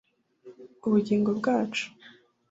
ubugingo bwacu,